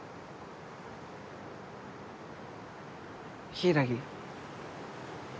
柊。